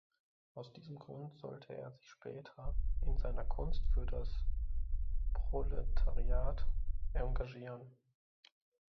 Aus diesem Grund sollte er sich später in seiner Kunst für das Proletariat engagieren.